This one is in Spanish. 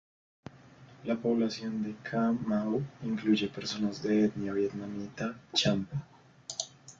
La población de Ca Mau incluye personas de etnia vietnamita, champa.